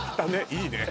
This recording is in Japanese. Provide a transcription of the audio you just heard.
いいね